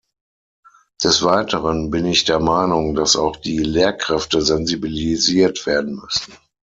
Des weiteren bin ich der Meinung, dass auch die Lehrkräfte sensibilisiert werden müssen.